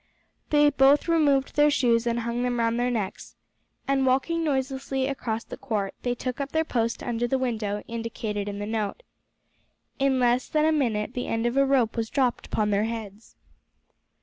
Then both removed their shoes and hung them round their necks, and walking noiselessly across the court they took up their post under the window indicated in the note. In less than a minute the end of a rope was dropped upon their heads.